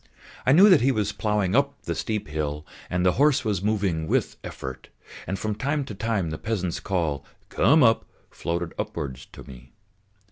I knew that he was ploughing up the steep hill and the horse was moving with effort, and from time to time the peasant's call "come up!" floated upwards to me.